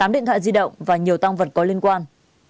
tám điện thoại di động và nhiều tăng vật có liên quan